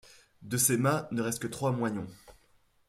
De ses mâts, ne restent que trois moignons.